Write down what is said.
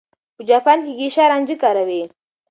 په جاپان کې ګېشا رانجه کاروي.